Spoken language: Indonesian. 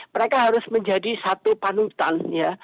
mereka harus menjadi satu panutan ya